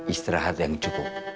istirahat yang cukup